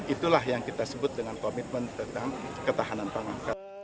itulah yang kita sebut dengan komitmen tentang ketahanan pangan